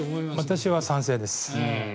私は賛成です。